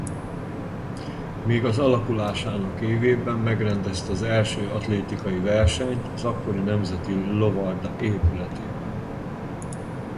Még az alakulásának évében megrendezte az első atlétikai versenyt az akkori Nemzeti Lovarda épületben.